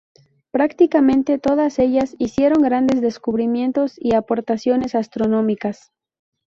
Prácticamente todas ellas hicieron grandes descubrimientos y aportaciones astronómicas.